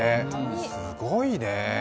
すごいね。